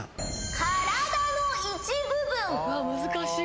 体の一部分？